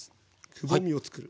くぼみをつくる。